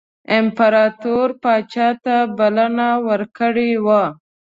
امپراطور پاچا ته بلنه ورکړې وه.